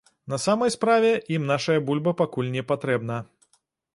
На самай справе, ім наша бульба пакуль не патрэбна.